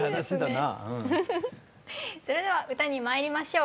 それでは歌にまいりましょう。